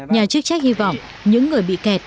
nhà chức trách hy vọng những người bị kẹt